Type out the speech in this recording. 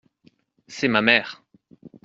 C’est ma mère.